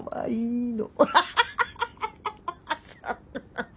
ハハハハ。